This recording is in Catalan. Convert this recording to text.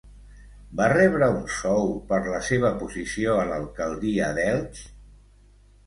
Va rebre un sou per la seva posició a l'alcaldia d'Elx?